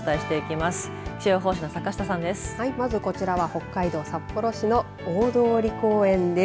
まずこちらは北海道札幌市の大通公園です。